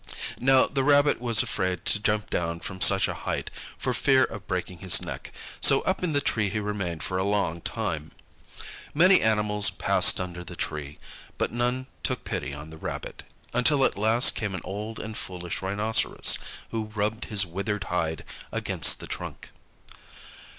Now the Rabbit was afraid to jump down from such a height, for fear of breaking his neck, so up in the tree he remained for a long time. Many animals passed under the tree, but none took pity on the rabbit, until at last came an old and foolish Rhinoceros, who rubbed his withered hide against the trunk.